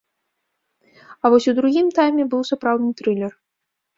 А вось у другім тайме быў сапраўдны трылер.